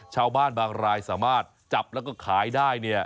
ชาวบ้านบางรายสามารถจับแล้วก็ขายได้เนี่ย